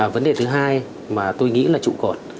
vấn đề thứ hai mà tôi nghĩ là trụ cột